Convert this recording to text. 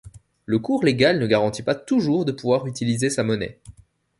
Le cours légal ne garantit pas toujours de pouvoir utiliser sa monnaie.